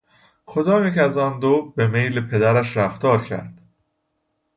کدامیک از آن دو به میل پدرش رفتار کرد؟